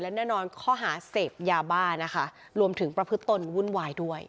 และแน่นอนข้อหาเสพยาบ้านะคะรวมถึงประพฤติตนวุ่นวายด้วย